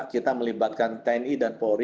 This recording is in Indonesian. kita melibatkan tni dan polri